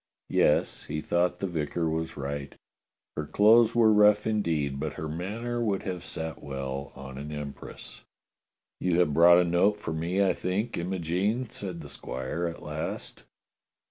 Yes, he thought the vicar was right. Her clothes were rough indeed, but her manner would have sat well on an empress. '*You have brought a note for me, I think — Imo gene?'' said the squire at last.